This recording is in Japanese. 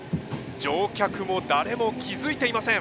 乗客も誰も気づいていません。